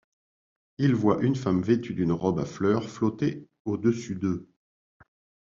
Ils voient une femme vêtue d'une robe à fleurs flotter au-dessus d'eux.